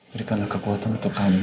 berikanlah kekuatan untuk kami